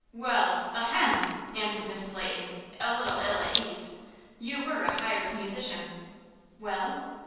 "Well ahem!" answered Mrs. Leighton, a little ill at ease, "you were a hired musician." "Well?"